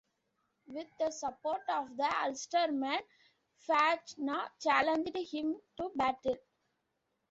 With the support of the Ulstermen, Fachtna challenged him to battle.